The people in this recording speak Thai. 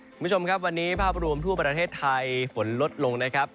คุณผู้ชมครับวันนี้ภาพรวมทั่วประเทศไทยฝนลดลงนะครับ